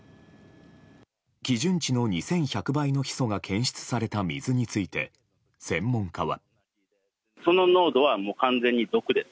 基準値の２１００倍のヒ素が検出された水について、専門家は。